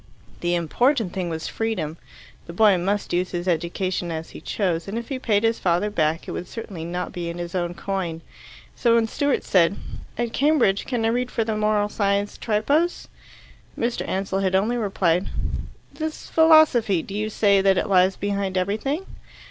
The important thing was freedom. The boy must use his education as he chose, and if he paid his father back it would certainly not be in his own coin. So when Stewart said, "At Cambridge, can I read for the Moral Science Tripos?" Mr. Ansell had only replied, "This philosophy do you say that it lies behind everything?"